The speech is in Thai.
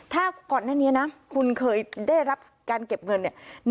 ถ้าก่อนหน้านี้นะคุณเคยได้รับการเก็บเงินเนี่ย